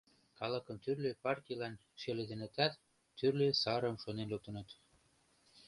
Калыкым тӱрлӧ партийлан шеледенытат, тӱрлӧ сарым шонен луктыныт.